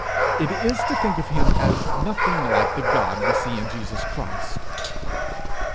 It is to think of him as nothing like the God we see in Jesus Christ.